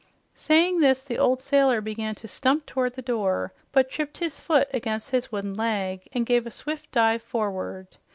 Saying this, the old sailor began to stump toward the door, but tripped his foot against his wooden leg and gave a swift dive forward.